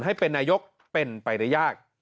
ให้เป็นนายกเป็นไปได้ยาก